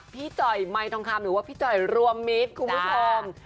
จ่อยไมทองคำหรือว่าพี่จ่อยรวมมิตรคุณผู้ชม